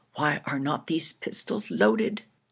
why are not these pistols loaded?'